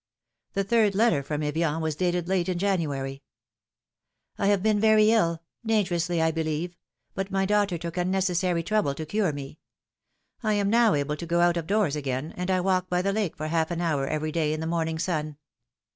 The third letter from Evian was dated late in January :" I have been very ill dangerously, I believe but my doctor took unnecessary trouble to cure me. I am now able to go out of doors again, and I walk by the lake for half an hour every day in the morning sun.